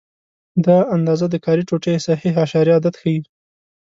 دا اندازه د کاري ټوټې صحیح اعشاریه عدد ښيي.